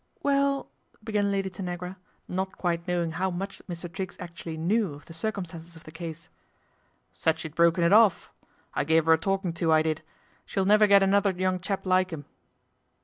" Well," began Lady Tanagra, not quite know ing how much Mr. Triggs actually knew of the circumstances of the case. " Said she'd broken it off. I gave her a talking i to, I did. She'll never get another young chap like 'im."